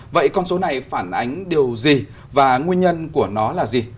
vậy con số này phản ánh điều gì và nguyên nhân của nó là gì